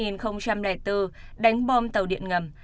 năm hai nghìn bốn đánh bom tàu điện ngầm